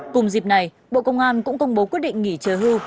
cùng dịp này bộ công an cũng công bố quyết định nghỉ hưu